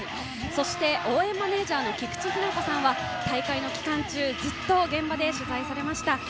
そして応援マネージャーの菊池日菜子さんは大会期間中、ずっと現場で取材されました。